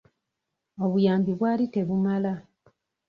Obuyambi bwali tebumala.